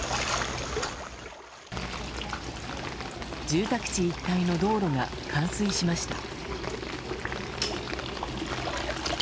住宅地一帯の道路が冠水しました。